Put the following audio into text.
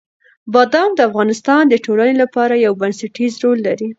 بادام د افغانستان د ټولنې لپاره یو بنسټيز رول لري.